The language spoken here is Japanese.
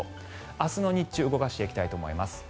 明日の日中動かしていきたいと思います。